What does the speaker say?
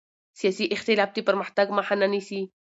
سیاسي اختلاف د پرمختګ مخه نه نیسي